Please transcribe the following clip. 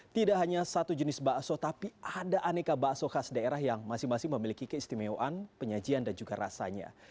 tidak hanya satu jenis bakso tapi ada aneka bakso khas daerah yang masing masing memiliki keistimewaan penyajian dan juga rasanya